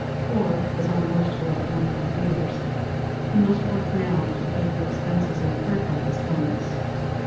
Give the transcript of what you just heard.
Poor, as are most who are born to be leaders, he must work now to pay the expenses incurred by this illness.